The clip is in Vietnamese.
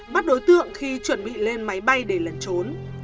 bắt đối tượng khi chuẩn bị lên máy bay để lẩn trốn